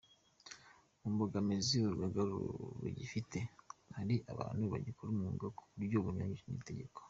Mu mbogamizi urugaga rugifite, hari abantu bagikora umwuga mu buryo bunyuranyije n’itegeko.